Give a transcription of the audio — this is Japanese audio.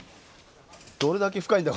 どれだけ深いんだ